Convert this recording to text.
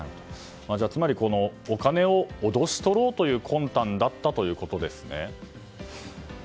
つまりお金を脅し取ろうという魂胆だったということですね。